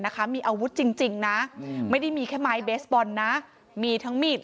นะคะมีอาวุธจริงนะไม่ได้มีแค่ไม้เบสบอลนะมีทั้งมีด